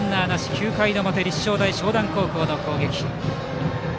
９回の表、立正大淞南高校の攻撃。